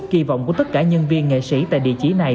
kỳ vọng của tất cả nhân viên nghệ sĩ tại địa chỉ này